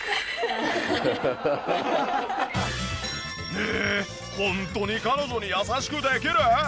へえホントに彼女に優しくできる？